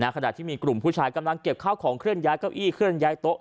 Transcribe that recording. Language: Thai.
ขณะที่มีกลุ่มผู้ชายกำลังเก็บข้าวของเคลื่อนย้ายเก้าอี้เคลื่อนย้ายโต๊ะ